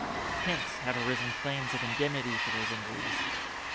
Hence have arisen claims of indemnity for those injuries.